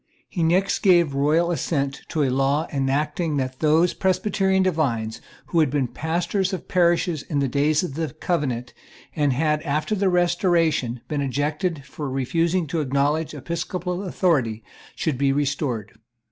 He next gave the royal assent to a law enacting that those Presbyterian divines who had been pastors of parishes in the days of the Covenant, and had, after the Restoration, been ejected for refusing to acknowledge episcopal authority, should be restored.